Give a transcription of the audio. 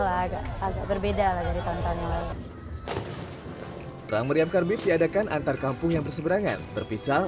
lagak lagak berbeda lagi tentang meriam karbit diadakan antar kampung yang berseberangan berpisah